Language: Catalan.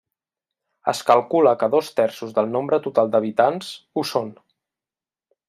Es calcula que dos terços del nombre total d'habitants ho són.